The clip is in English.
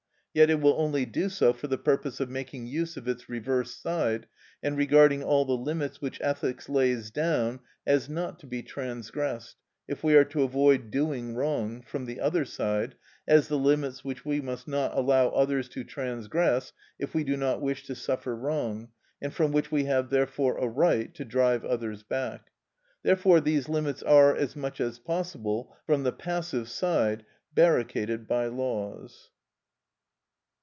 Yet it will only do so for the purpose of making use of its reverse side, and regarding all the limits which ethics lays down as not to be transgressed, if we are to avoid doing wrong, from the other side, as the limits which we must not allow others to transgress if we do not wish to suffer wrong, and from which we have therefore a right to drive others back. Therefore these limits are, as much as possible, from the passive side, barricaded by laws.